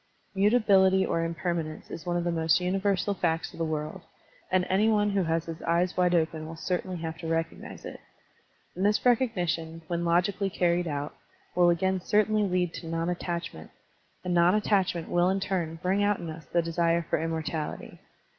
Mutability or impermanence is one of the most universal facts of the world, and any one who has his eyes wide open will certainly have to recognize it. And this recognition, when logically carried out, will again certainly lead to non attachment; and non attachment will in turn bring out in us the desire for immortality.